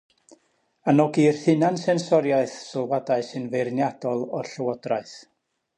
Anogir hunan-sensoriaeth sylwadau sy'n feirniadol o'r llywodraeth.